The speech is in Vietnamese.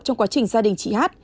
trong quá trình gia đình chị hát